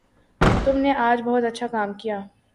تم نے آج بہت اچھا کام کیا